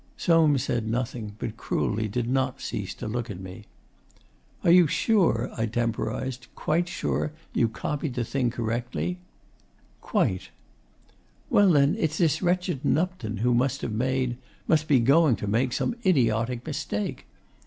Soames said nothing, but cruelly did not cease to look at me. 'Are you sure,' I temporised, 'quite sure you copied the thing out correctly?' 'Quite.' 'Well, then it's this wretched Nupton who must have made must be going to make some idiotic mistake....